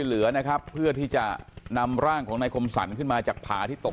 เหลือนะครับเพื่อที่จะนำร่างของนายคมสรรขึ้นมาจากผาที่ตก